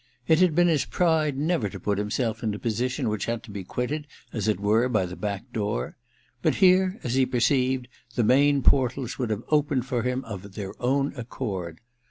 It had been his pride never to put himself in a position which had to be quitted, as it were, by the back door ; but here, as he perceived, the main portals would have opened for him of their own accord.